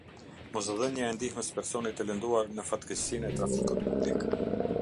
Mosdhënia e ndihmës personit të lënduar në fatkeqësinë e trafikut publik.